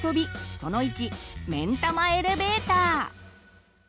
その１「めんたまエレベーター」。